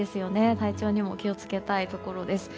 体調にも気を付けたいところです。